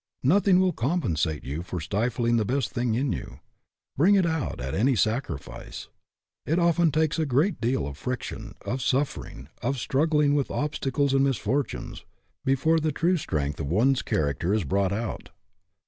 Nothing will compensate you for stifl ing the best thing in you. Bring it out at any sacrifice. It often takes a great deal of fric tion, of suffering, of struggling with ob stacles and misfortunes, before the true strength of one's character is brought out.